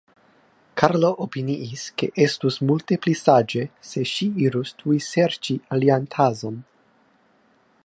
Karlo opiniis, ke estus multe pli saĝe, se ŝi irus tuj serĉi alian tason.